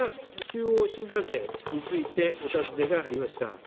中央新幹線についてお尋ねがありました。